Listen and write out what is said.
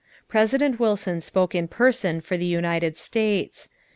President Wilson spoke in person for the United States.